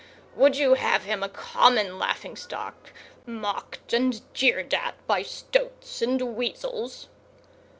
Would you have him a common laughing stock, mocked and jeered at by stoats and weasels?"